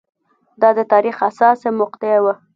دا د تاریخ حساسه مقطعه وه.